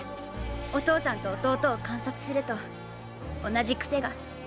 お父さんと弟を観察すると同じ癖が。